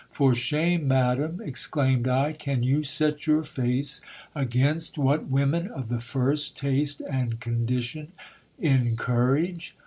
For shame, madam, exclaimed I ; can you set your face against what women of the first taste and condition encourage